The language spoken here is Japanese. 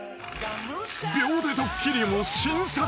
［秒でドッキリも新作］